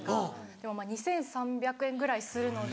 でも２３００円ぐらいするので。